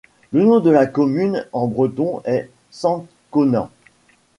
Le nom de la commune en breton est Sant-Konan.